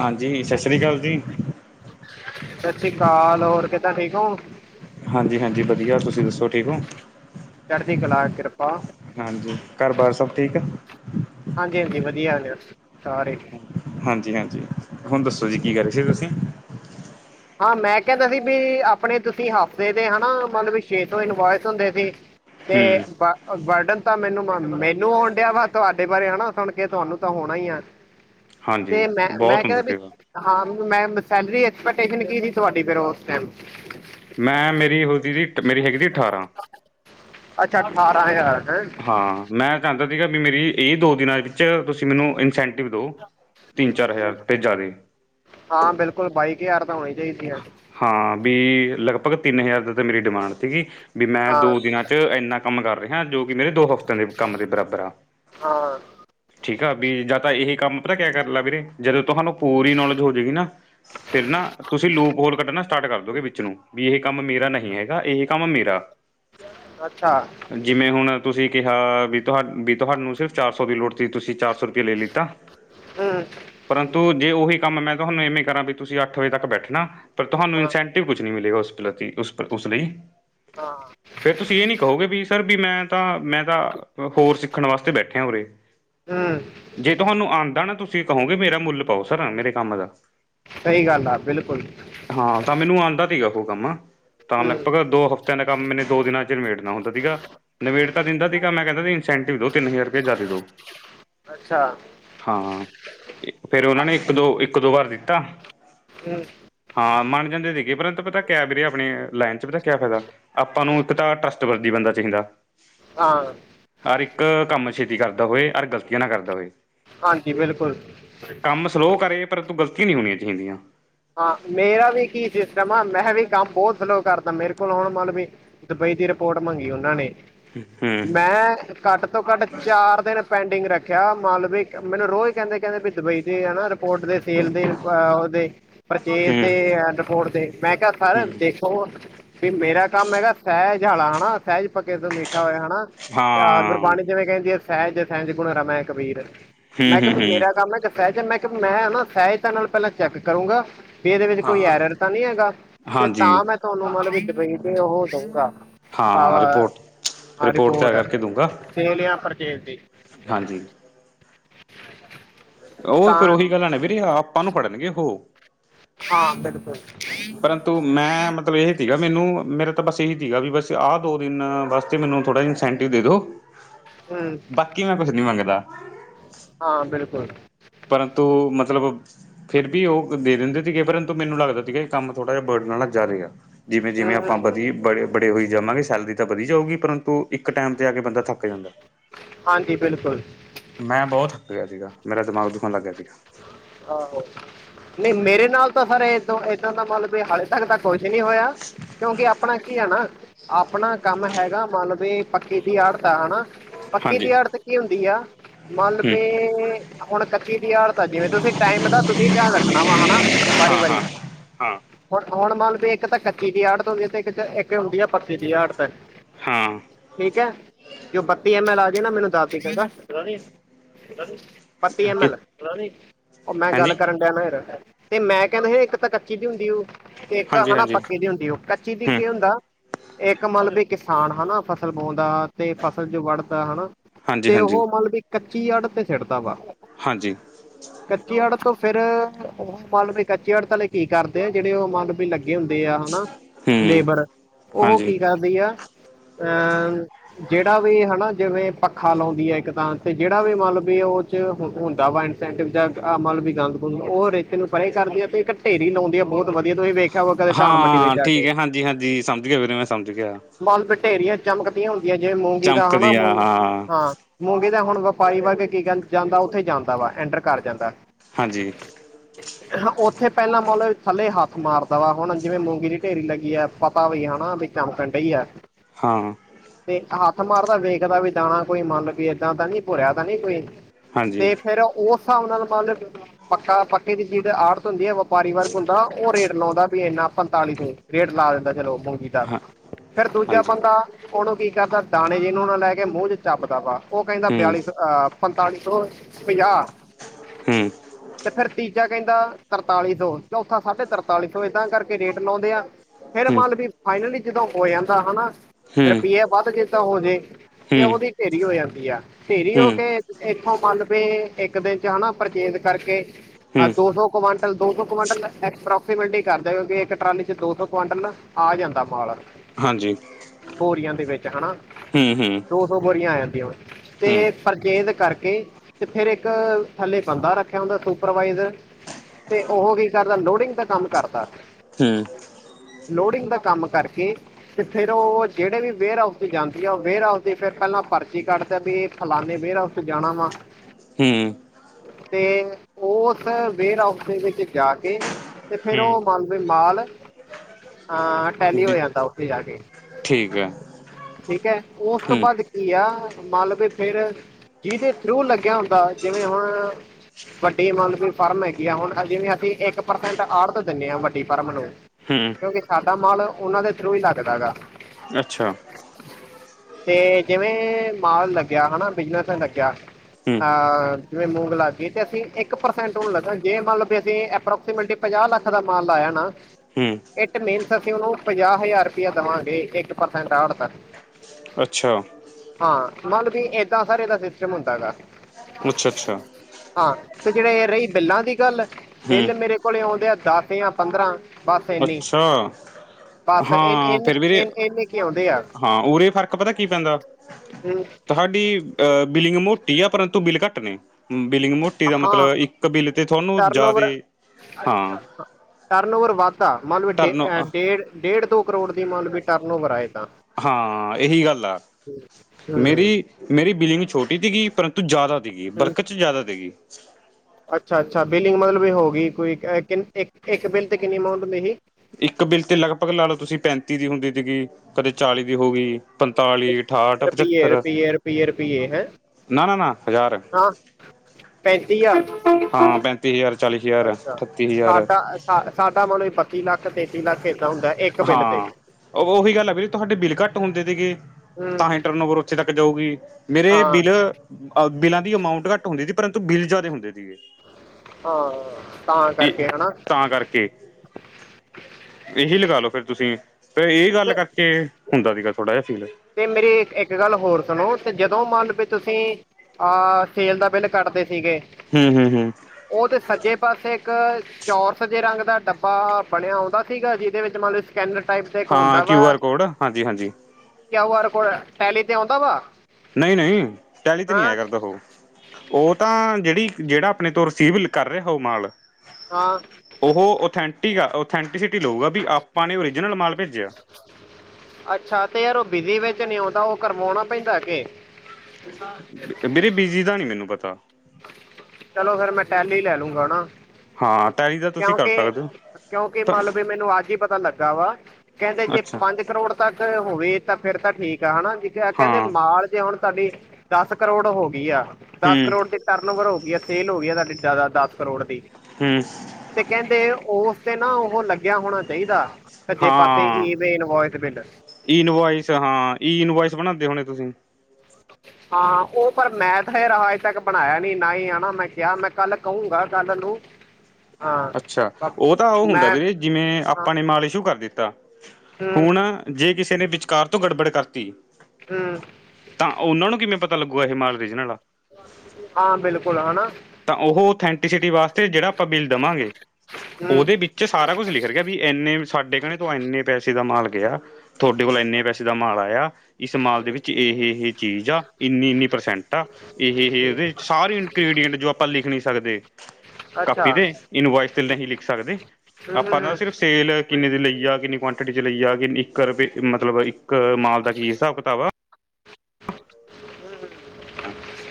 ਹਾਂਜੀ ਸਤਿ ਸ੍ਰੀ ਅਕਾਲ ਦੀ ਸਤਿ ਸ੍ਰੀ ਅਕਾਲ ਹੋਰ ਕਿੱਦਾਂ ਠੀਕ ਹੋ। ਹਾਂਜੀ-ਹਾਂਜੀ ਵਧੀਆ ਤੁਸੀਂ ਦੱਸੋ ਠੀਕ ਹੋ। ਚੜਦੀ ਕਲਾ ਕਿਰਪਾ ਹਾਂਜੀ ਘਰ ਬਾਰ ਸਭ ਠੀਕ ਆ। ਹਾਂਜੀ-ਹਾਂਜੀ ਵਧੀਆ ਨੇ ਸਾਰੇ ਹਾਂਜੀ-ਹਾਂਜੀ ਹੁਣ ਦੱਸੋ ਜੀ ਕੀ ਕਰ ਰਏ ਸੀ ਤੁਸੀ ਹਾਂ ਮੈਂ ਕੈਂਦਾ ਸੀ ਵੀ ਆਪਣੇ ਤੁਸੀਂ ਹਫ਼ਤੇ ਦੇ ਹਨਾ ਮਤਲਬ ਛੇ ਤੋਂ ਇਨਵਾਇਸ ਹੁੰਦੇ ਸੀ। ਤੇ ਹੂੰ ਬਾ ਬਰਡਨ ਤਾਂ ਮੈਨੂੰ-ਮੈਨੂੰ ਹੋਣ ਡਿਆ ਵਾ ਤੁਹਾਡੇ ਬਾਰੇ ਆ ਨਾ ਸੁਣ ਕੇ ਤੁਹਾਨੂੰ ਤਾਂ ਹੋਣਾ ਈ ਆ। ਤੇ ਹਾਂਜੀ ਮੈਂ ਓ ਮੈਂ ਬੋਤ ਕਹਿੰਦਾ ਹੁੰਦਾ ਵੀ ਸੀਗਾ। ਹਾਂ ਮੈਂ ਸੈਲਰੀ ਅਸਪੈਕਟ ਕਿ ਥੋੜੀ ਫਿਰ ਉਸ ਟੈਮ ਮੈਂ ਮੇਰੀ ਵੋ ਅੱਛਾ ਅਠਾਰਾਂ ਹਜ਼ਾਰ ਅ ਹਾਂ ਮੈਂ ਚਾਂਦਾ ਸੀਗਾ ਵੀ ਮੇਰੀ ਏ ਦੋ ਦਿਨਾਂ ਵਿੱਚ ਤੁਸੀਂ ਮੈਨੂੰ ਇਨਸੈਂਟ ਵੀ ਦੋ ਤਿੰਨ ਚਾਰ ਹਜ਼ਾਰ ਤੇ ਜਾਦੇ ਹਾਂ ਬਿਲਕੁਲ ਬਾਈ ਕੁ ਹਜ਼ਾਰ ਤਾਂ ਹੋ ਗਈ ਸੀ ਵੈਸ ਹਾਂ ਵੀ ਲਗਭਗ ਤਿੰਨ ਹਜ਼ਾਰ ਦਾ ਤਾਂ ਮੇਰੀ ਡਿਮਾਂਡ ਸੀਗੀ ਵੀ ਮੈਂ ਹਾਂ ਦੋ ਦਿਨਾਂ 'ਚ ਇੰਨਾ ਕੰਮ ਕਰ ਰਿਹਾ ਜੋ ਕਿ ਮੇਰੇ ਦੋ ਹਫ਼ਤਿਆਂ ਦੇ ਕੰਮ ਦੇ ਬਰਾਬਰ ਆ। ਹਾਂ ਠੀਕ ਆ ਵੀ ਜਾਂ ਤਾਂ ਇਹੀ ਕੰਮ ਪਤਾ ਕਿਆ ਕਰ ਲਾ ਵੀਰੇ ਜਦੋਂ ਤੁਹਾਨੂੰ ਪੂਰੀ ਨੌਲੇਜ ਹੋ ਜਾਏਗੀ ਨਾ। ਫਿਰ ਨਾ ਤੁਸੀਂ ਲੂਪ ਹੋਲ ਕੱਢਣਾ ਸਟਾਰਟ ਕਰਦੋਗੇ ਵਿੱਚ ਨੂੰ ਵੀ ਇਹ ਕੰਮ ਮੇਰਾ ਨਹੀ ਹੈਗਾ। ਇਹ ਕੰਮ ਮੇਰਾ ਅੱਛਾ ਜਿਵੇਂ ਹੁਣ ਤੁਸੀਂ ਕਿਹਾ ਵੀ ਤੁਹਾ ਵੀ ਤੁਹਾਨੂੰ ਸਿਰਫ਼ ਚਾਰ ਸੌ ਦੀ ਲੋੜ ਸੀ ਤੁਸੀਂ ਚਾਰ ਸੌ ਲੈ ਲਿੱਤਾ ਹੂੰ ਪਰੰਤੂ ਜੇ ਉਹੀ ਕੰਮ ਮੈਂ ਤੁਹਾਨੂੰ ਇਵੇਂ ਕਰਾਂ ਵੀ ਤੁਸੀਂ ਅੱਠ ਵਜੇ ਤੱਕ ਬੈਠੇ ਪਰ ਤੁਹਾਨੂੰ ਹਾਂ ਇਨਸੈਂਟਿਵ ਕੁਛ ਨੀ ਮਿਲੇਗਾ ਉਸ ਪ੍ਰਤੀ ਉਸ-ਉਸ ਲਈ ਹਾਂ ਫਿਰ ਤੁਸੀਂ ਇਹ ਨਈ ਕਹੋਗੇ ਵੀ ਸਰ ਵੀ ਮੈਂ ਤਾਂ ਮੈਂ ਤਾਂ ਹੋਰ ਕੋਰਸ ਸਿੱਖਣ ਵਾਸਤੇ ਬੈਠੇ ਉਰੇ ਹੂੰ ਜੇ ਤੁਹਾਨੂੰ ਆਂਦਾ ਨਾ ਤੁਸੀਂ ਕਹੋਗੇ ਮੇਰਾ ਮੁੱਲ ਪਾਓ ਸਰ ਮੇਰੇ ਕੰਮ ਦਾ ਸਈ ਗੱਲ ਆ ਬਿਲਕੁਲ ਹਾਂ ਤਾਂ ਮੈਨੂੰ ਆਂਦਾ ਤੀ ਓ ਕੰਮ ਤਾਂ ਹੂੰ ਲਗਭਗ ਦੋ ਹਫ਼ਤਿਆਂ ਦਾ ਕੰਮ ਮੈਨੇ ਦੋ ਦਿਨਾਂ 'ਚ ਨਮੇੜਣਾ ਹੁੰਦਾ ਸੀਗਾ। ਨਿਵੇੜ ਤਾਂ ਦਿੰਦਾ ਸੀਗਾ ਮੈਂ ਕੈਦਾ ਇਸੈਂਟਿਵ ਦੋ ਤਿੰਨ ਹਜਾਰ ਰੁਪਏ ਜਾਦਾ ਦੋ। ਅੱਛਾ ਹਾਂ, ਫਿਰ ਉਹਨਾਂ ਨੇ ਇੱਕ ਦੋ, ਇੱਕ ਦੋ ਵਾਰ ਦਿੱਤਾ। ਅਤੇ ਹਾਂ ਮੰਨ ਜਾਂਦੇ ਸੀਗੇ, ਪਰੰਤੂ ਪਤਾ ਕਿਆ ਵੀਰੇ ਆਪਣੇ ਲਾਈਨ ਚ ਪਤਾ ਕਿਆ ਫੈਦਾ, ਆਪਾਂ ਨੂੰ ਇੱਕ ਤਾਂ ਟਰੱਸ ਦੀ ਬੰਦਾ ਚਾਹੀਦਾ। ਹਾਂ ਹਰ ਇੱਕ ਕੰਮ ਛੇਤੀ ਕਰਦਾ ਹੋਏ ਹਰ ਗਲਤੀਆਂ ਨਾ ਕਰਦਾ ਹੋਏ। ਹਾਂਜੀ ਬਿਲਕੁਲ ਕੰਮ ਸਲੋਅ ਕਰੇ ਪਰ ਤੂੰ ਗਲਤੀਆਂ ਨੀ ਹੋਣੀਆਂ ਚਾਹੀਦੀਆਂ। ਹਾਂ ਮੇਰਾ ਵੀ ਕੀ ਸਿਸਟਮ ਆ, ਮੈਂ ਵੀ ਕੰਮ ਬਹੁਤ ਸਲੋਅ ਕਰਦਾ, ਮੇਰੇ ਕੋਲ ਹੁਣ ਮਤਲ ਵੀ ਦੁਬਈ ਦੀ ਰਿਪੋਰਟ ਮੰਗੀ ਉਹਨਾਂ ਨੇ, ਹੂੰ ਮੈਂ ਘੱਟ ਤੋਂ ਘੱਟ ਚਾਰ ਦਿਨ ਪੈਂਡਿੰਗ ਰੱਖਿਆ ਮਾਲਵੇ ਮੈਨੂੰ ਰੋਜ਼ ਕਹਿੰਦੇ, ਕਹਿੰਦੇ ਵੀ ਦੁਬਈ ਤੇ ਹੈ ਨਾ ਪੋਟ ਦੇ ਸੇਲ ਦੇ ਉਦੇ ਪਰਚੇਸ ਹੂੰ ਦੇ ਰਿਪੋਰਟ ਦੇ ਮੈਂ ਕਿਹਾ ਸਰ ਹੂੰ ਵੀ ਮੇਰਾ ਕੰਮ ਹੈਗਾ ਸਹਿਜ ਵਾਲਾ ਹਨਾ ਸਹਿਜ ਪੱਕੇ ਤੇ ਮੀਠਾ ਹੋਇਆ ਹਾਂ ਗੁਰਬਾਣੀ ਜਿਵੇਂ ਕਹਿੰਦੀ ਐ, ਸਹਿਜ ਸਹਿਜ ਗੁਣ ਰਮੈ ਕਬੀਰ। ਹੂੰ ਮੈਂ ਹੂੰ ਕਿਹਾ ਹੂੰ ਮੇਰਾ ਕੰਮ ਐ ਇੱਕ ਸਹਿਜਾ ਮੈਂ ਕਿਹਾ ਮੈਂ ਨਾ ਸਹਿਜਤਾ ਨਾਲ ਪਹਿਲਾਂ ਚੈੱਕ ਕਰੂੰਗਾ। ਵੀ ਇਹਦੇ ਵਿੱਚ ਕੋਈ ਹਾਂ ਐਰਰ ਤਾਂ ਨਈ ਹੈਗਾ ਤੇ ਤਾਂ ਹਾਂਜੀ ਮੈਂ ਤੁਹਾਨੂੰ ਮਤਲਬ ਦੁਬਈ ਤੇ ਉਹ ਦਊਂਗਾ। ਹਾਂ ਆ, ਰਿਪੋਰਟ ਹਾ ਰਿਪੋਰਟ ਤਿਆਰ ਰਪੋਟ ਕਰਕੇ ਦੂੰਗਾ ਸੇਲ ਜਾ ਪਰਚੇਸ ਦੀ ਹਾਂਜੀ ਉਹ ਤਾਂ ਫਿਰ ਉਹੀ ਗੱਲਾਂ ਨੇ ਵੀਰੇ ਆਪਾਂ ਨੂੰ ਫੜਨਗੇ ਓਹ ਹਾਂ ਬਿਲਕਲ ਮੈਂ ਮਤਲਬ ਇਹ ਸੀਗਾ ਮੈਨੂੰ ਮੇਰਾ ਤਾਂ ਬਸ ਇਹੀ ਸੀਗਾ ਵੀ ਬਸ ਆਹ ਦੋ ਦਿਨ ਵਾਸਤੇ ਮੈਨੂੰ ਥੋੜਾ ਜ ਸੈਂਟਿਵ ਦੇ ਦੋ ਹਮ ਕੀ ਮੈਂ ਕੁੱਛ ਨੀ ਮੰਗਦਾ। ਹਾਂ ਬਿਲਕੁਲ ਪਰੰਤੂ, ਮਤਲਬ ਫਿਰ ਵੀ ਉਹ ਦੇ ਦਿੰਦੇ ਥੀਗੇ, ਪਰੰਤੂ ਮੈਨੂੰ ਲੱਗਦਾ ਥੀਗਾ ਇਹ ਕੰਮ ਥੋੜ੍ਹਾ ਜਿਹਾ ਬਰਟਨ ਆਲਾ ਜਾਦਾ ਈ ਆ। ਜਿਵੇਂ- ਜਿਵੇਂ ਹੂੰ ਆਪਾਂ ਵਧੀਆ ਬੜੇ ਬੜੇ ਹੋਈ ਜਾਵਾਂਗੇ ਸੈਲਰੀ ਤਾਂ ਵਧੀ ਜਾਊਗੀ ਪਰੰਤੂ ਇੱਕ ਟਾਈਮ ਤੇ ਆ ਕੇ ਬੰਦਾ ਥੱਕ ਜਾਂਦਾ। ਹਾਂਜੀ ਬਿਲਕੁਲ ਮੈਂ ਬਹੁਤ ਥੱਕ ਗਿਆ ਸੀਗਾ, ਮੇਰਾ ਦਿਮਾਗ ਦੁਖਣ ਲੱਗ ਗਿਆ ਸੀਗਾ। ਆਹੋ, ਨਹੀਂ ਮੇਰੇ ਨਾਲ ਤਾਂ ਸਰ ਇਦ- ਏਦਾਂ ਦਾ ਮਤਲਬ ਵੀ ਹਾਲੇ ਇੱ ਤਕ ਤਾਂ ਕੁਛ ਨੀ ਹੋਇਆ ਕਿਉਂਕਿ ਆਪਣਾ ਕੀ ਆ ਨਾ ਆਪਣਾ ਕੰਮ ਹੈਗਾ ਮੰਨਲਬ ਇਹ ਪੱਕੀ ਦੀ ਆੜਤ ਆ ਹਨਾ, ਪੱਕੀ ਹਾਂਜੀ ਦੀ ਆੜਤ ਹੁੰਦੀ ਆ, ਮੰਨ ਲ ਹੂੰ ਪੇ ਹੁਣ ਕੱਚੀ ਦੀ ਆੜਤ ਆ ਜਿਵੇਂ ਤੁਸੀਂ ਟਾਈਮ ਦਾ ਤੁਸੀਂ ਧਿਆਨ ਰੱਖਣਾ ਵਾ ਹਨਾ ਵਾਰੀ- ਹਾਂ ਵਾਰੀ ਹਾਂ ਹਾਂ ਹੁਣ ਮੰਨ ਵੀ ਇੱਕ ਤਾਂ ਕੱਚੀ ਦੀ ਆੜਤ ਹੁੰਦੀ ਆ ਤੇ ਇੱਕ, ਇੱਕ ਹੁੰਦੀ ਐ ਪੱਕੀ ਦੀ ਆੜਤ ਹਾਂ ਠੀਕ ਐ ਜੋ ਬੱਤੀ ਐਮ ਐਲ ਆ ਜਾ ਨਾ ਮੈਨੂੰ ਦੱਸ ਦੀ ਚੰਗਾ ਪੱਤੀ ਐਮ ਕਿ ਐਲ ਉਹ ਮੈਂ ਹਾਂਜੀ ਗੱਲ ਕਰਨ ਡਿਆ ਨਾ ਯਾਰ ਤੇ ਮੈਂ ਕਹਿੰਦੇ ਹੀ ਇੱਕ ਤਾਂ ਕੱਚੀ ਦੀ ਹੁੰਦੀ ਉਹ ਤੇ ਇੱਕ ਹਾਂਜੀ ਹਨ ਨਾ ਹਾਂਜੀ ਪੱਕੀ ਦੀ ਹੁੰਦੀ ਉਹ, ਕੱਚੀ ਦੀ ਹੂੰ ਕੀ ਹੁੰਦਾ ਇੱਕ ਇੱਕ ਮਲਬ ਕਿਸਾਨ ਹਨਾ ਫਸਲ ਬਾਉਂਦਾ ਤੇ ਫਸਲ ਜੋ ਵੱਡਦਾ ਹਨਾ ਹਾਂਜੀ ਤੇ ਹਾਂਜੀ ਉਹ ਮਲਬ ਕੱਚੀ ਆੜਤ ਤੇ ਛੜਦਾ ਵਾ ਹਾਂਜੀ। ਕੱਚੀ [unintelligible] ਤੋਂ ਫੇਰ ਓ ਮੰਨ ਲੋ ਵੀ ਕੱਚੀ [unintelligible] ਥੱਲੇ ਕੀ ਕਰਦੇ ਆ ਜੇੜੇ ਓ ਮੰਨ ਲੋ ਵੀ ਲੱਗੇ ਗੇ ਹੁੰਦੇ ਆ ਹਨਾ, ਹੂੰ ਲੇਬਰ ਓ ਹ ਹਾਂਜੀ ਕੀ ਕਰਦੀ ਆ ਅਹ ਜੇੜਾ ਵੀ ਹਨਾ ਜਿਵੇਂ ਪੱਖਾ ਲਾਉਂਦੀ ਆ ਇੱਕ ਤਾਂ ਤੇ ਜੇੜਾ ਵੀ ਮਤਲਬ ਵੀ ਓ ਚ ਹੁੰਦਾ ਵਾ ਇਨਸੈਂਟਿਵ ਜ ਆਹ ਮਲਬ ਵੀ ਗੰਦ ਗੁੰਦ ਓ ਰੇਤੇ ਨੂੰ ਪਰੇ ਕਰਦੀ ਆ ਤੇ ਇੱਕ ਢੇਰੀ ਲਾਉਂਦੀ ਆ ਬਹੁਤ ਵਧੀਆ ਤੁਸੀਂ ਵੇ ਹਾਂ ਠੀਕ ਐ ਹਾਂਜੀ, ਹਾਂਜੀ ਸਮਝ ਗਿਆ ਵੀੇਰੇ ਮੈਂ ਸਮਝ ਗਿਆ। ਬਲ ਫੇਰ ਟੇਰੀਆ ਚਮਕਦੀਆਂ ਹੁੰਦੀਆਂ ਜਿਵੇਂ ਮੂੰਗੀ ਦਾ ਹਨਾ ਚਮਕਦੀ ਆ ਮੂੰਗੀ, ਹਾਂ। ਮੂੰਗੀ ਦਾ ਹੁਣ ਵਪਾਈ ਵਾਗੇ ਕੀ ਕਰ ਜਾਂਦਾ ਓਥੇ ਜਾਂਦਾ ਵਾ ਐਂਟਰ ਕਰ ਜਾਂਦਾ। ਹਾਂਜੀ। ਓਥੇ ਪਹਿਲਾਂ ਮਤਲਬ ਥੱਲੇ ਹੱਥ ਮਾਰਦਾ ਵਾ ਹੁਣ ਜਿਵੇਂ ਮੂੰਗੀ ਦੀ ਢੇਰੀ ਲੱਗੀ ਆ ਪਤਾ ਬ‌ਈ ਹਨਾ ਚਮਕਨ ਡ‌ਈ ਆ। ਹਾਂ। ਤੇ ਹੱਥ ਮਾਰਦਾ ਵੇਖਦਾ ਵੀ ਦਾਣਾ ਕੋਈ ਮੰਨ ਲੋ ਵੀ ਏਦਾਂ ਤਾ ਨੀ ਭੁਰਿਆ ਤਾਂ ਨੀ ਕੋਈ। ਹਾਂਜੀ ਤੇ ਫੇਰ ਓ ਸਾਬ ਨਾਲ ਮੰਨ ਲਓ ਪੱਕਾ ਪੱਕੇ ਦੀ ਚੀਜ ਆੜ ਹੁੰਦੀ ਆ ਵਪਾਰੀ ਵਰਗ ਹੁੰਦਾ ਓ ਰੇਟ ਲਾਉਂਦਾ ਵੀ ਐਨਾ ਪੰਤਾਲੀ ਸੌ, ਰੇਟ ਲਾ ਦਿੰਦਾ ਚਲੋ ਮੂੰਗੀ ਹਾਂ ਫੇਰ ਦੂਜਾ ਹਾਂਜੀ ਬੰਦਾ ਓਨੂੰ ਕੀ ਕਰਦਾ ਦਾਣੇ ਜੇ ਨੂੰ ਲੈ ਕੇ ਮੂੰਹ ਚ ਚੱਬਦਾ ਵਾ। ਓ ਕਹਿੰਦਾ ਹੂੰ ਬਿਆਲੀ ਸੌ ਅਹ ਪੰਤਾਲੀ ਸੌ ਪੰਜਾਹ, ਹੂੰ ਤੇ ਫੇਰ ਤੀਜਾ ਕਹਿੰਦਾ ਤਰਤਾਲੀ ਸੌ ਚੌਥਾ ਸਾਢੇ ਤਰਤਾਲੀ ਸੌ ਏਦਾਂ ਕਰਕੇ ਰੇਟ ਲਾਉਂਦੇ ਆ। ਫੇਰ ਹੂੰ ਮੰਲ ਲੀ ਫਾਈਨਲੀ ਜਦੋਂ ਹੋ ਜਾਂਦਾ ਹਨਾ, ਹੂੰ ਰਪਈਏ ਵੱਧ ਜਿੱਦਾਂ ਹੋਜੇ ਤੇ ਹੂੰ ਓਦੀ ਢੇਰੀ ਹੋ ਜਾਂਦੀ ਆ, ਢੇਰੀ ਹੋ ਹੂੰ ਕੇ ਇੱਥੋਂ ਮੰਲ ਵੇ ਇੱਕ ਦਿਨ ਚ ਹਨਾ ਪਰਚੇਜ਼ ਕਰਕੇ ਹੂੰ ਦੋ ਸੌ ਕੁਆਟਲ, ਦੋ ਸੌ ਕੁਆਟਲ ਐਪ੍ਰੋਕਸੀਮੇਟਲੀ ਕਰਦਿਓ, ਇੱਕ ਟਰਾਲੀ ਚ ਦੋ ਸੌ ਕੁਆਟਲ ਨਾ ਆ ਜਾਂਦਾ ਮਾਲ। ਹਾਂਜੀ। ਬੋਰੀਆਂ ਦੇ ਵਿੱਚ, ਹਨਾ। ਹੂੰ-ਹੂੰ। ਦੋ ਸੌ ਬੋਰੀਆ ਆ ਜਾਂਦੀਆਂ, ਤੇ ਪਰਚੇਜ਼ ਕਰਕੇ ਤੇ ਫੇਰ ਇੱਕ ਥੱਲੇ ਬੰਦਾ ਰੱਖਿਆ ਹੁੰਦਾ ਸੁਪਰਵਾਈਜ਼ਰ। ਤੇ ਉਹ ਕੀ ਕਰਦਾ ਲੋਡਿੰਗ ਦਾ ਕੰਮ ਕਰਦਾ। ਹੂੰ ਲੋਡਿੰਗ ਦਾ ਕੰਮ ਕਰਕੇ ਤੇ ਫੇਰ ਓ ਜੇੜੇ ਵੀ ਵੇਅਰਹਾਊਸ ਚ ਜਾਂਦੀ ਆ ਓ ਵੇਅਰਹਾਊਸ ਦੀ ਫੇਰ ਪਹਿਲਾਂ ਪਰਚੀ ਕੱਟਦਾ ਵੀ ਫਲਾਨੇ ਵੇਅਰਹਾਊਸ ਤੇ ਜਾਣਾ ਵਾ। ਹੂੰ। ਤੇ ਓਸ ਵੇਅਰਹਾਊਸ ਦੇ ਵਿੱਚ ਜਾ ਕੇ ਤੇ ਫੇਰ ਓ ਹੂੰ ਮੰਨ ਲਵੇ ਮਾਲ, ਅਹ ਟੈਲੀ ਹੋ ਜਾਂਦਾ ਓਥੇ ਜਾ ਕੇ। ਠੀਕ ਐ। ਠੀਕ ਐ ਓਸ ਤੋਂ ਬਾਅਦ ਕੀ ਆ, ਮੰਨ ਲੋ ਬੀ ਫੇਰ ਜੀਹਦੇ ਥਰੂ ਲੱਗਿਆ ਹੁੰਦਾ, ਜਿਵੇਂ ਹੁਣ ਵੱਡੀ ਮਲੋ ਵੀ ਫਰਮ ਹੈਗੀ ਆ ਹੁਣ ਜਿਵੇਂ ਅਸੀਂ ਇੱਕ ਪਰਸੈਂਟ ਆੜਤ ਦਿੰਨੇ ਆ ਵੱਡੀ ਫਰਮ ਨੂੰ। ਹੂੰ ਕਿਉਂਕਿ ਸਾਡਾ ਮਾਲ ਓਨਾਂ ਦੇ ਥਰੂ ਹੀ ਲੱਗਦਾ ਗਾ। ਅੱਛਾ। ਤੇ ਜਿਵੇਂ ਮਾਲ ਲੱਗਿਆ ਹਨਾ, ਬਿਜਨਸ ਦਾ ਲੱਗਿਆ ਹੂੰ ਅਹ ਜਿਵੇਂ ਮੂੰਗ ਲਾਗੀ ਤੇ ਅਸੀਂ ਇੱਕ ਪਰਸੈਂਟੂ [unintelligible] ਜੇ ਮੰਲੋ ਬੀ ਅਸੀਂ ਐਪ੍ਰੋ ਕਸੀਮੇਟਲੀ ਮਿਲਟੀ ਪੰਜਾਹ ਲੱਖ ਦਾ ਮਾਲ ਲਾਇਆ ਨਾ ਹੂੰ ਇਟ ਮਿਹਨਤ ਅਸੀਂ ਉਹਨੂੰ ਪੰਜਾਹ ਹਜ਼ਾਰ ਰੁਪਇਆ ਦੇਵਾਂਗੇ ਇੱਕ ਪਰਸੈਂਟ ਆੜ ਦਾ ਅੱਛਾ ਹਾਂ, ਮਤਲਬ ਵੀ ਐਦਾਂ ਸਾਰੇ ਦਾ ਸਿਸਟਮ ਹੁੰਦਾ ਗਾ ਅੱਛਾ -ਅੱਛਾ ਹਾਂ, ਤੇ ਜੇੜੇ ਰਹੀ ਬਿੱਲਾਂ ਦੀ ਗੱਲ, ਹੂੰ ਬਿੱਲ ਮੇਰੇ ਕੋਲ ਆਉਂਦੇ ਆ ਦਸ ਜਾਂ ਪੰਦਰਾਂ ਬਸ ਇੰਨੀ, ਅੱਛਾ ਬਸ ਹਾਂ ਇਹਨੇ ਫਿਰ ਇੰਨੇ ਕੀ ਆਉਂਦੇ ਆ ਫਰਕ ਪਤਾ ਕੀ ਪੈਂਦਾ ਇਹ ਤੁਹਾਡੀ ਅਹ ਬਿਲਿੰਗ ਮੋਟੀ ਆ, ਪਰੰਤੂ ਬਿੱਲ ਘੱਟ ਨੇ, ਬਿਲਿੰਗ ਮੋ ਤੇ ਇਹਦਾ ਹਾਂ ਮਤਲਬ ਇੱਕ ਬਿੱਲ ਤੇ ਤੁਹਾਨੂੰ ਜਾਦੇ, ਹਾਂ। ਟਰਨ ਓਵਰ ਵਾਧਾ, ਮੰਨ ਲਓ ਡੇ, ਟਰਨ ਡੇਢ ਦੋ ਕਰੋੜ ਦੀ ਮੰਨ ਲਓ ਟਰਨ ਓਵਰ ਆਏ ਤਾਂ ਹਾਂ ਇਹੀ ਗੱਲ ਆ, ਹੂੰ ਮੇਰੀ, ਮੇਰੀ ਬਿਲਿੰਗ ਛੋਟੀ ਜੀ ਪਰੰ ਤੂੰ ਜ਼ਿਆਦਾ ਦੇ ਗਈ, ਹੂੰ। ਬਰਕਤ 'ਚ ਜ਼ਿਆਦਾ ਦੇ ਗਈ। ਅੱਛਾ- ਅੱਛਾ ਬਿਲਿੰਗ ਮਤਲਬ ਹੋ ਗਈ ਕੋਈ ਇੱਕ, ਇੱਕ ਬਿੱਲ ਤੇ ਕਿੰਨੀ ਅਮਾਊਂਟ ਹੁੰਦੀ ਸੀ। ਇੱਕ ਬਿੱਲ ਤੇ ਲਗਭਗ ਲਾ ਲਓ ਤੁਸੀਂ ਪੈਂਤੀ ਦੀ ਹੁੰਦੀ ਸੀਗੀ, ਕਦੇ ਚਾਲੀ ਦੀ ਹੋ ਗਈ। ਪੰਤਾਲੀ, ਅਠਾਹਠ, ਰੁਪਏ ਪਚੱਤਰ ਰੁਪਏ ਰੁਪਏ ਰੁਪਏ ਹੈ ਨਾ -ਨਾ -ਨਾ ਹਜ਼ਾਰ। ਪੈਂਤੀ ਹਜ਼ਾਰ ਹਾਂ ਪੈਂਤੀ ਹਜ਼ਾਰ, ਚਾਲੀ ਹਜ਼ਾਰ, ਅਠੱਤੀ ਹਜ਼ਾਰ। ਅ ਸਾਡਾ ਮੁੱਲ ਵੀ ਪ ਪੱਚੀ ਲੱਖ, ਤੇਤੀ ਲੱਖ, ਐਦਾਂ ਹੁੰਦਾ ਇੱਕ ਬਿੱਲ ਤੇ। ਹਾਂ ਉਹੀ ਗੱਲ ਹੈ ਵੀਰੇ, ਤੁਹਾਡੇ ਬਿੱਲ ਘੱਟ ਆਉਂਦੇ ਸੀਗੇ, ਹੂੰ ਤਾਂ ਹੀ ਟਰਨ ਓਵਰ ਉੱਥੇ ਤੱਕ ਜਾਊਗੀ ਮੇਰੇ ਹਾਂ ਬਿੱਲ, ਬਿੱਲਾਂ ਦੀ ਅਮਾਊਂਟ ਘੱਟ ਹੁੰਦੀ ਸੀ, ਪਰੰਤੂ ਬਿੱਲ ਜ਼ਿਆਦਾ ਹੁੰਦੇ ਸੀਗੇ। ਹਾਂ, ਤਾਂ ਇਹ ਕਰਕੇ, ਹਨਾ। ਤਾਂ ਕਰਕੇ। ਇਹੀ ਲਗਾ ਲੋ ਫੇਰ ਤੁਸੀਂ, ਫੇਰ ਇਹ ਗੱਲ ਕਰਕੇ, ਹੁੰਦਾ ਸੀਗਾ ਥੋੜਾ ਜਿਹਾ ਫੀਲ ਤੇ ਮੇਰੀ ਇੱਕ, ਇੱਕ ਗੱਲ ਹੋਰ ਸੁਣੋ, ਤੇ ਜਦੋਂ ਮੰਨ ਵੀ ਤੁਸੀਂ ਆ ਤੇਲ ਦਾ ਬਿੱਲ ਕੱਟਦੇ ਸੀਗੇ। ਹਮ- ਹਮ- ਹਮ। ਉਹਦੇ ਸੱਜੇ ਪਾਸੇ ਇੱਕ ਚੋਰਸ ਜੇ ਰੰਗ ਦਾ ਡੱਬ ਡੱਬਾ ਬਣਿਆ ਆਉਂਦਾ ਸੀਗਾ, ਜਿਹਦੇ ਵਿੱਚ ਮੰਨ ਲਓ ਸਕੈਨਰ ਟਾਈਪ ਤੇ ਇੱਕ ਹੁੰਦਾ ਹਾਂ ਵਾ ਕਿਊ ਆਰ ਕੋਡ ਹਾਂਜੀ- ਹਾਂਜੀ। ਕਿਊਆਰ ਕੋਲ, ਟੈਲੀ ਤੇ ਆਉਂਦਾ ਵਾ? ਨਹੀ- ਨਹੀ ਟਹਿਲੀ ਤੇ ਹਾਂ ਨਹੀਂ ਆਏਗਾ ਸਗੋਂ ਉਹ ਤਾਂ ਜਿਹੜੀ ਜੇੜਾ ਆਪਣੇ ਤੋਂ ਰਿਸੀਵ ਕਰ ਰਿਹਾ ਉਹ ਮਾਲ ਹਾਂ। ਉਹ, ਓਥੈੰਟਿਕ ਆ, ਓਥਟੀਸਿਟੀ ਲਉਗਾ, ਵੀ ਆਪਾਂ ਨੇ ਓਰੀਜਨਲ ਮਾਲ ਭੇਜਿਆ। ਅੱਛਾ ਤੇ ਯਾਰ ਉਹ ਬਿਜੀ ਵਿੱਚ ਨਹੀ ਆਉਂਦਾ, ਉਹ ਕਰਵਾਉਣਾ ਪੈਂਦਾ ਕੇ? ਵੀਰੇ, ਬਿਜੀ ਦਾ ਨੀ ਮੈਨੂੰ ਪਤਾ। ਚਲੋ ਫਿਰ ਮੈਂ ਟੈਲੀ ਲੈ ਲੂੰਗਾ ਨਾ ਹਾਂ ਟੈਲੀ ਦਾ ਤੁਸੀਂ ਕਰ ਕਿਉਂਕਿ, ਸਕਦੇ ਕਿਉਂਕਿ ਹੋ। ਮੰਨ ਲਓ ਵੀ ਮੈਨੂੰ ਅੱਜ ਹੀ ਪਤਾ ਲੱਗਾ ਵਾ, ਕਹਿੰਦੇ ਜੇ ਅੱਛਾ ਪੰਜ ਕਰੋੜ ਤੱਕ ਹੋਵੇ ਤਾਂ ਫੇਰ ਤਾਂ ਠੀਕ ਆ ਹਨਾ, ਜੇ ਕਹਿੰਦੇ ਹਾਂ ਮਾਲ ਜੇ ਹੁਣ ਤੁਹਾਡੀ ਦਸ ਕਰੋੜ ਹੋ ਗਈ ਆ, ਦਸ ਹੂੰ ਕਰੋੜ ਦੇ ਟਰਨ ਓਵਰ ਹੋ ਗਈ ਆ, ਸੇਲ ਹੋ ਗਈ ਆ, ਤੁਹਾਡੀ ਦਸ ਕਰੋੜ ਦੀ ਹਮ। ਫੇਰ ਕੈਂਦੇ ਓਸ ਤੇ ਨਾ ਓ ਲੱਗੇ ਕਿਆ ਹੋਣਾ ਚਾਈਦਾ, ਸੱਜੇ ਪਾਸੇ ਇਵੇ ਇਨਵੋਲ ਦੇ ਵਿੰਡ। ਇ ਇਨਓਇਸ ਹਾਂ ਈਨਓਇਸ ਬਣਾਦੇ ਹੋਣੇ ਤੁਸੀਂ। ਹਾਂ ਓ ਪਰ ਮੈਂ ਤਾਂ ਫੇਰ ਅੱਜ ਤੱਕ ਬਣਾਇਆ ਨੀ, ਨਾ ਹੀ ਹੈਨਾ ਮੈਂ ਕੇਯਾ ਮੈਂ ਕੱਲ ਕਉਂਗਾ ਕੱਲ ਨੂੰ [inaudible] ਹਾਂ ਅੱਛਾ, ਬ- ਓ ਤਾਂ ਓ ਹੁੰਦਾ ਮੈਂ ਵੀਰੇ ਜਿਵੇਂ ਹਾਂ ਆਪਾਂ ਨੇ ਮਾਲ ਇਸ਼ੂ ਕਰ ਦਿੱਤਾ ਹੂੰ ਹੁਣ ਜੇ ਕਿਸੇ ਨੇ ਵਿਚਕਾਰ ਤੋਂ ਗੜਬੜ ਕਰਤੀ ਹੂੰ। ਤਾਂ ਓਨਾਂ ਨੂੰ ਕਿਵੇਂ ਪਤਾ ਲੱਗੂਗਾ ਏਹ ਮਾਲ ਓਰੀਜਨਲ ਆ? ਹਾਂ ਬਿਲਕੁਲ ਹਨਾ ਤਾਂ ਉਹ ਓਥੈਂਟੀਸਿਟੀ ਵਾਸਤੇ ਜੇੜਾ ਆਪਾਂ ਬਿੱਲ ਜਾਵਾਂਗੇ ਹੂੰ ਓਦੇ ਵਿੱਚ ਸਾਰਾ ਕੁਛ ਲਿਖ ਰੱਖਿਆ ਵੀ ਇੰਨੇ ਸਾਡੇ ਕੈਣੇ ਤ ਇੰਨੇ ਪੈਸੇ ਦਾ ਮਾਲ ਗਿਆ, ਤੁਆਡੇ ਕੋਲ ਇੰਨੇ ਪੈਸੇ ਦਾ ਮਾਲ ਆਯਾ। ਇਸ ਮਾਲ ਦੇ ਵਿੱਚ ਇਹ ਇਹ ਚੀਜ ਆ ਇੰਨੀ-ਇੰਨੀ ਪ੍ਰਸੈਂਟ ਆ। ਇਹ ਈਹ ਓਦੇ ਚ ਸਾਰੇ ਇੰਗ੍ਰਡੀਐਂਟ ਜੋ ਆਪਾਂ ਲਿਖ ਨੀ ਸਕਦੇ। ਅੱਛਾ। ਇਨਵੋਇਸ ਤੇ ਨਹੀਂ ਲਿਖ ਸਕਦੇ, ਹੂੰ ਹੂੰ ਆਪਾਂ ਤਾਂ ਹੂੰ। ਸਿਰਫ ਸੇਲ ਕਿੰਨੇ ਦੀ ਲਈ ਆ ਕਿੰਨੀ ਕੁਆਂਟਿਟੀ 'ਚ ਲਈ ਆ ਕਿੰ ਇੱਕ ਰੁਪਏ ਮਤਲਬ ਇੱਕ ਮਾਲ ਦਾ ਕੀ ਹਿਸਾਬ-ਕਿਤਾਬ ਆ।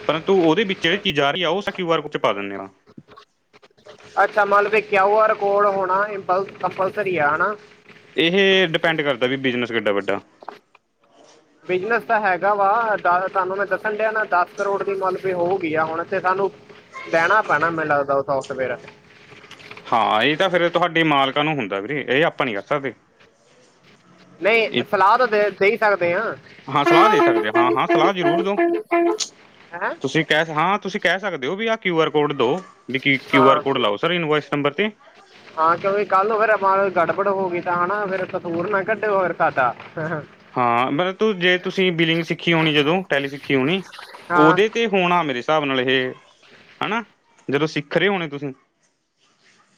ਪਰੰਤੂ ਓਦੇ ਵਿੱਚ ਜੇੜੀ ਚੀਜ਼ਾਂ ਆ ਰਹੀ ਆ ਓ ਅਸੀ ਕਯੂ ਆਰ ਕੋਡ ਚ ਪਾ ਦਿੰਨੇ ਆਂ ਅੱਛਾ, ਮਲਬ ਕਯੂ ਆਰ ਕੋਡ ਹੋਣਾ ਕੰਪਲਸਰੀ ਆ, ਹੈਨਾ। ਏਹ ਡਿਪੈਂਡ ਕਰਦਾ ਵੀ ਬਿਜਨਸ ਕਿੱਡਾ ਵੱਡਾ। ਬਿਜਨਸ ਤਾਂ ਹੈਗਾ ਵਾ ਜਾਦਾ, ਤੁਆ ਨੂੰ ਮੈਂ ਦੱਸਣ ਡਿਆ ਨਾ ਦਸ ਕਰੋੜ ਦੀ ਮਾਲਕ ਵੀ ਹੋਗੀਈ ਆ ਹੁਣ ਤੇ ਸਾਨੂੰ ਲੈਣਾ ਪੈਣਾ ਮੈਨੂੰ ਲੱਗਦਾ ਓ ਸੋਫਟਵੇਅਰ। ਹਾਂ, ਏ ਤਾਂ ਫੇਰ ਤੁਹਾਡੀ ਮਾਲਕਾਂ ਨੂੰ ਹੁੰਦਾ ਵੀਰੇ, ਏ ਆਪਾਂ ਨੀ ਕਰ ਸਕਦੇ। ਨਈਂ, ਇਹ ਸਲਾਹ ਤਾਂ ਦੇ ਦੇਈ ਸਕਦੇ ਆਂ। ਹਾਂ ਸਲਾਹ ਦੇ ਸਕਦੇ ਹਾਂ ਹਾਂ ਸਲਾਹ ਹੈਂ? ਕੈਹ ਹਾਂ ਤੁਸੀਂ ਕੈਹ ਸਕਦੇ ਓ ਵੀ ਆਹ ਕਿਊ ਆਰ ਕੋਡ ਦਿਉ ਵੀ, ਕੀ ਕਿਊ ਆਰ ਹਾਂ ਕੋਡ ਲਾਓ ਸਰ ਇਨਵੋਇਸ ਨੰਬਰ 'ਤੇ। ਹਾਂ ਕਿਉਂਕਿ ਕੱਲ ਫੇਰ ਆਪਾਂ ਗੜਬੜ ਹੋ ਗਈ ਤਾਂ ਨਾਂ ਫੇਰ ਕੱਢੇ ਹੋਰ ਸਾਡਾ [unintelligible] ਹਾਂ ਮਤਲਬ ਜੇ ਤੁਸੀਂ ਬਲਿੰਗ ਸਿੱਖੀ ਹੋਣੀ ਜਦੋਂ, ਟੈਲੀ ਸਿੱਖੀ ਹੋਣੀ ਹਾਂ ਓਦੇ ਤੇ ਹੋਣਾ ਮੇਰੇ ਸਾਬ ਨਾਲ ਇਹ ਹਨਾ, ਜਦੋਂ ਸਿਖ ਰਰੇ ਹੋਣੇ ਤੁਸੀਂ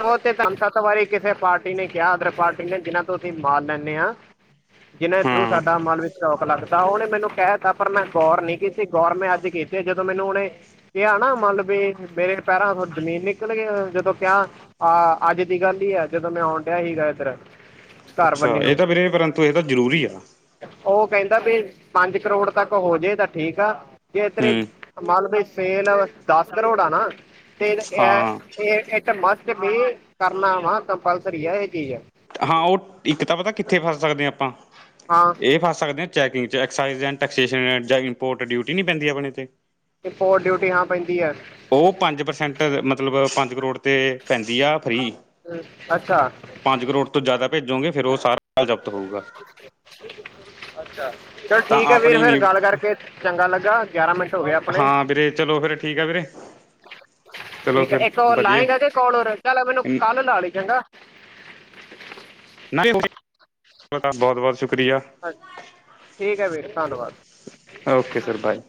ਓਤੇ ਸਾਨੂੰ ਸੱਤ ਵਾਰੀ ਕਿਸੇ ਪਾਰਟੀ ਨੇ ਕੇਯਾ ਅਦਰ ਪਾਰਟੀ ਨੇ ਜਿਨਾਂ ਤੋਂ ਅਸੀਂ ਮਾਲ ਲੈਂਨੇ ਆਂ। ਜਿਨ੍ਹਾਂ ਦੇ ਥਰੂ ਹਾਂ ਸਾਡਾ ਮਾਲ ਸ਼ੌਕ ਲੱਗਦਾ ਓਨੇ ਮੈਨੂੰ ਕਹਿ ਤਾ ਪਰ ਮੈਂ ਗੌਰ ਨੀ ਕੀਤੀ ਗੌਰ ਮੈਂ ਅੱਜ ਕੀਤੀ ਜਦੋਂ ਮੈਨੂੰ ਉਨੇ ਕੇਆ ਨਾ ਮਤਲਬ ਵੀ ਮੇਰੇ ਪੈਰਾਂ ਤੋਂ ਜਮੀਨ ਨਿਕਲ ਗਈਂ ਜਦੋਂ ਕੇਆ ਆਹ ਅੱਜ ਦੀ ਗੱਲ ਹੀ ਆ ਜਦੋਂ ਮੈਂ ਆਉਣ ਡਿਆ ਸੀਗਾ ਏਧਰ। ਅੱਛਾ, ਏ ਤਾਂ ਵੀਰੇ ਪਰੰਤੂ ਏਦਾ ਜਰੂਰੀ ਏ। ਓ ਕੈਂਦਾ ਵੀ ਪੰਜ ਕਰੋੜ ਤੱਕ ਹੋਜੇ ਤਾਂ ਠੀਕ ਆ, ਜੇ ਤੇਰੇ ਹੂੰ ਮਲਬ ਸੇਲ ਦਸ ਕਰੋੜ ਆ ਨਾ ਤੇ, ਐ ਹਾਂ ਏ ਮਸਟ ਤੇ ਵੀ ਕਰਨਾ ਵਾ ਕੰਪਲਸਰੀ ਆ, ਏਹ ਚੀਜ। ਹਾਂ, ਓ ਇੱਕ ਤਾਂ ਪਤਾ ਕਿੱਥੇ ਫੱਸ ਸਕਦੇ ਆਂ ਆਪਾਂ, ਹਾਂ ਏ ਫੱਸ ਸਕਦੇ ਆਂ checking excise and taxation, import duty ਨ ਪੈਂਦੀ ਅਪਨੇ ਤੇ ਰਿਪੋਟ ਡਿਊਟੀ, ਹਾਂ ਪੈਂਦੀ ਐ। ਓ ਪੰਜ ਪ੍ਰਸੈਂਟ ਮਤਲਬ ਪੰਜ ਕਰੋੜ ਤੇ ਪੈਂਦੀ ਆ ਫ੍ਰਰੀ। ਅੱਛਾ। ਪੰਜ ਕਰੋੜ ਤੋਂ ਜ਼ਿਆਦਾ ਭੇਜੋਗੇ ਫਿਰ ਉਹ ਸਾਰਾ ਜ਼ਬਤ ਹੋਊਗਾ [inaudible] ਅੱਛਾ ਚਲ ਤਾਂ ਠੀਕ ਏ ਵੀਰ ਆਪਣੀ ਫਿਰ ਨੀ ਗੱਲ ਕਰਕੇ ਚੰਗਾ ਲੱਗਾ ਗਿਆਰਾਂ ਮਿੰਟ ਹੋ ਗਏ ਆਪਣੇ ਹਾਂ ਵੀਰੇ ਚਲੋ ਫੇਰ ਠੀਕ ਆ ਵੀਰੇ ਚਲੋ ਠੀਕ ਏ ਫਿਰ ਇੱਕ ਹੋਰ ਵਧੀਆ ਲਾਏਗਾ ਕੇ ਕੋਲ ਹੋਰ ਚੱਲ ਮੈਨੂੰ ਕੱਲ ਲਾ ਲਈ ਚੰਗਾ ਨਾ ਤਾਡਾ ਬਹੁਤ ਬਹੁਤ ਸ਼ੁਕਰੀਆ ਹਾਂਜੀ ਠੀਕ ਏ ਵੀਰ ਫਿਰ ਧੰਨਵਾਦ ਓਕੇ ਸਰ ਬਾਏ